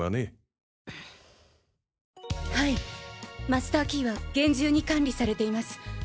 マスターキーは厳重に管理されています。